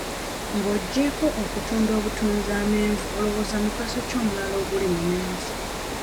Ng'oggyeeko okutunda obutunzi amenvu olowooza mugaso ki omulala oguli mu menvu?